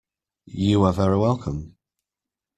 You are very welcome.